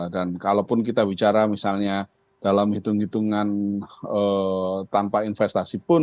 dan kalaupun kita bicara misalnya dalam hitung hitungan tanpa investasi pun